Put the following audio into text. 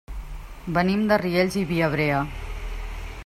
Venim de Riells i Viabrea.